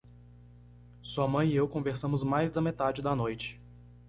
Sua mãe e eu conversamos mais da metade da noite.